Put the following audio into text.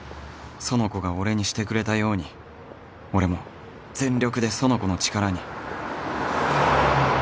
苑子が俺にしてくれたように俺も全力で苑子の力に